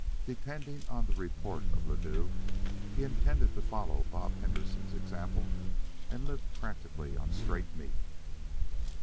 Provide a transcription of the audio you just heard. Depending on the report of Ladue, he intended to follow Bob Henderson's example and live practically on straight meat.